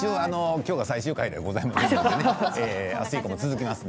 今日が最終回ではございません。